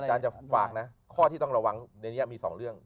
จะฝากนะข้อที่ต้องระวังในนี้มี๒เรื่อง